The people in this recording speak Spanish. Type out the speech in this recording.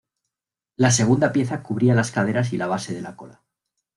La segunda pieza cubría las caderas y la base de la cola.